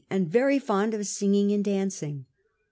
and very fond of singing and dancing.